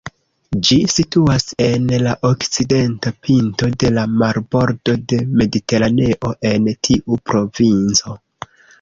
Ĝi situas en la okcidenta pinto de la marbordo de Mediteraneo en tiu provinco.